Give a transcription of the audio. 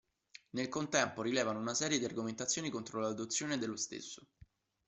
Nel contempo rilevano una serie di argomentazioni contro l'adozione dello stesso.